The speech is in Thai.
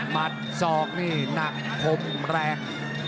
มัดซอกนี้หนักพงแรง